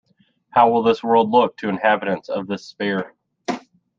How will this world look to inhabitants of this sphere?